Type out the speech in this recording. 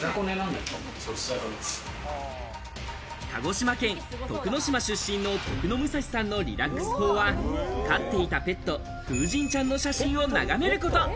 鹿児島県徳之島出身の徳之武藏さんのリラックス法は飼っていたペット・風神ちゃんの写真を眺めること。